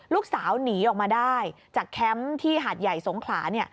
ลูกสาวหนีออกมาได้จากแคมป์ที่หาดใหญ่สงขลา